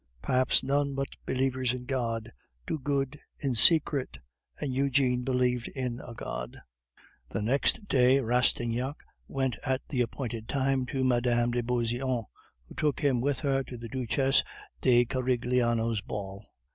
Perhaps none but believers in God do good in secret; and Eugene believed in a God. The next day Rastignac went at the appointed time to Mme. de Beauseant, who took him with her to the Duchesse de Carigliano's ball.